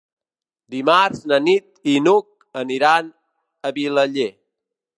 Dimarts na Nit i n'Hug aniran a Vilaller.